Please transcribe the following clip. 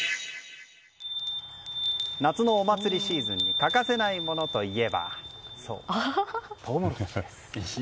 夏のお祭りシーズンに欠かせないものといえばそう、トウモロコシです。